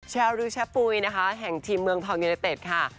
เชียวรู้เชียวปุ๋ยนะคะแห่งทีมเมืองพลังเยนเตศค่ะ